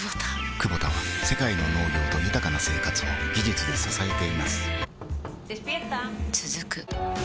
クボタは世界の農業と豊かな生活を技術で支えています起きて。